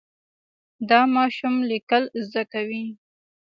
دا ماشوم لیکل زده کوي.